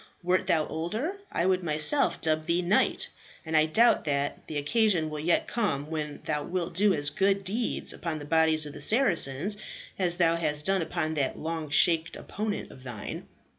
Wert thou older, I would myself dub thee knight; and I doubt not that the occasion will yet come when thou wilt do as good deeds upon the bodies of the Saracens as thou hast upon that long shanked opponent of thine.